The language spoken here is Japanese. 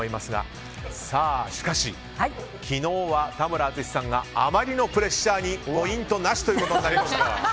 しかし昨日は田村淳さんがあまりのプレッシャーにポイントなしということになりました。